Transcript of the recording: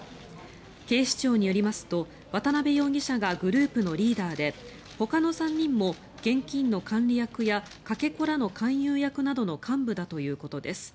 警視庁によりますと渡邉容疑者がグループのリーダーでほかの３人も現金の管理役やかけ子らの勧誘役の幹部だということです。